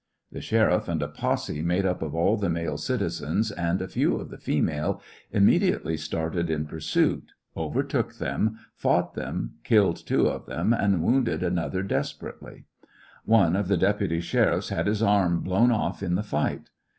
The sheriff and a posse made up of all the male citizens, and a few of the female, immediately started in pursuit, overtook them, fought them, killed two of them, and wounded another desper ately. One of the deputy sheriffs had his arm blown off in the fight.